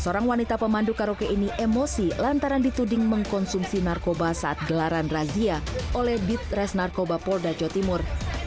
seorang wanita pemandu karaoke ini emosi lantaran dituding mengkonsumsi narkoba saat gelaran razia oleh beat res narkoba polda jotimur